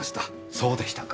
そうでしたか。